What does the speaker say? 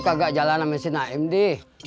lo kagak jalan sama si naim dih